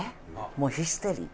もうヒステリー。